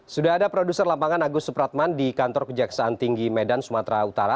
sudah ada produser lapangan agus supratman di kantor kejaksaan tinggi medan sumatera utara